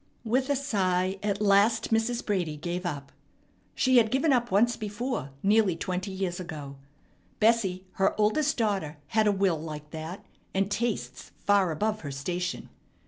With a sigh at last Mrs. Brady gave up. She had given up once before nearly twenty years ago. Bessie, her oldest daughter, had a will like that, and tastes far above her station.